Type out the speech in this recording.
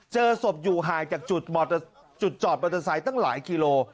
เจอศพอยู่ห่างจากจุดจอดมอเตอร์ไซค์ตั้งหลายกิโล